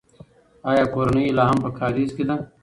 آیا کورنۍ یې لا هم په کارېز کې ده؟